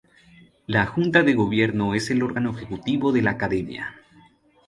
La Junta de Gobierno es el órgano ejecutivo de la Academia.